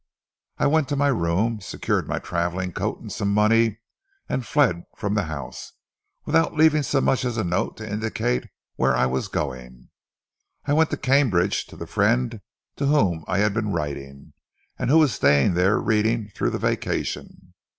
I went to my room, secured my travelling coat and some money, and fled from the house, without leaving so much as a note to indicate where I was going I went to Cambridge to the friend to whom I had been writing, and who was staying there reading through the vacation.